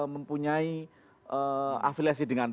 mempunyai afiliasi dengan